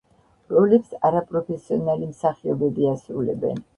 როლებს არაპროფესიონალი მსახიობები ასრულებენ.